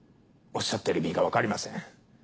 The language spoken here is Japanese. おっしゃっている意味がわかりません。